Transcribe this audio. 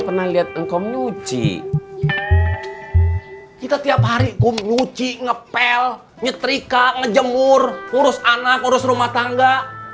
pernah lihat engkau nyuci kita tiap hariku nyuci ngepel nyetrika ngejemur urus anak urus rumah tangga